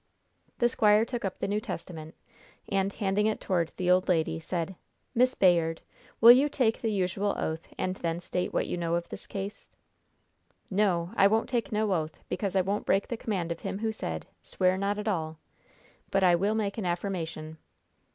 The squire took up the New Testament, and, handing it toward the old lady, said: "Miss Bayard, will you take the usual oath, and then state what you know of this case?" "No, I won't take no oath, because I won't break the command of Him who said, 'Swear not at all,' but I will make an afformation."